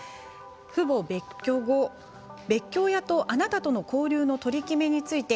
父母別居後別居親とあなたとの交流の取り決めについて